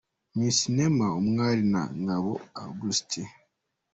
Miss Neema Umwali na Ngabo Augustin.